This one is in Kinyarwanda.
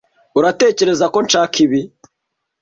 Uratekereza ko nshaka ibi?